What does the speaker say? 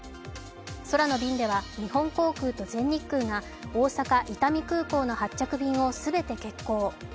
空の便では日本航空と全日空が大阪・伊丹空港の発着便を全て欠航。